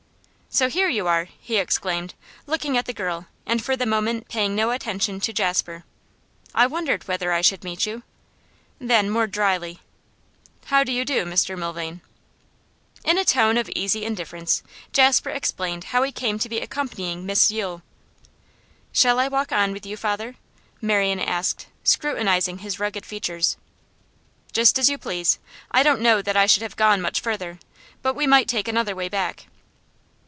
'So here you are!' he exclaimed, looking at the girl, and for the moment paying no attention to Jasper. 'I wondered whether I should meet you.' Then, more dryly, 'How do you do, Mr Milvain?' In a tone of easy indifference Jasper explained how he came to be accompanying Miss Yule. 'Shall I walk on with you, father?' Marian asked, scrutinising his rugged features. 'Just as you please; I don't know that I should have gone much further. But we might take another way back.